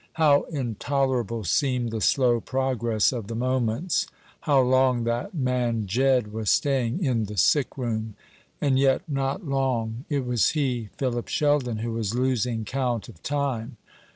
How intolerable seemed the slow progress of the moments! How long that man Jedd was staying in the sick room! And yet not long; it was he, Philip Sheldon, who was losing count of time.